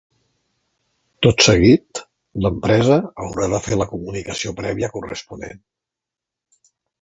Tot seguit, l'empresa haurà de fer la comunicació prèvia corresponent.